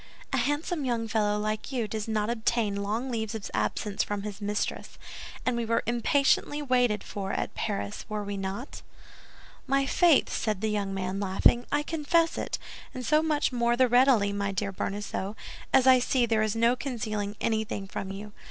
"A handsome young fellow like you does not obtain long leaves of absence from his mistress; and we were impatiently waited for at Paris, were we not?" "My faith!" said the young man, laughing, "I confess it, and so much more the readily, my dear Bonacieux, as I see there is no concealing anything from you.